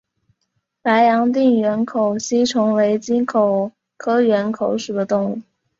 白洋淀缘口吸虫为棘口科缘口属的动物。